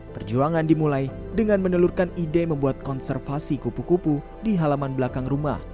perjuangan dimulai dengan menelurkan ide membuat konservasi kupu kupu di halaman belakang rumah